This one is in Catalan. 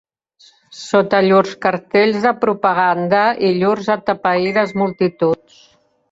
Sota llurs cartells de propaganda i llurs atapeïdes multituds